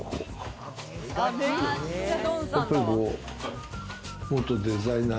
やっぱり、元デザイナー。